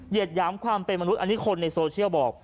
หยามความเป็นมนุษย์อันนี้คนในโซเชียลบอก